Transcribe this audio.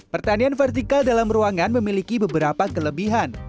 pertanian vertikal dalam ruangan memiliki beberapa kelebihan